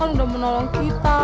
ya udah pak